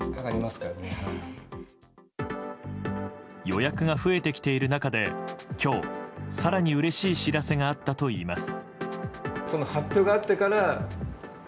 予約が増えてきている中で今日更にうれしい知らせがあったといいます。